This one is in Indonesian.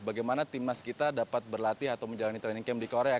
bagaimana timnas kita dapat berlatih atau menjalani training camp di korea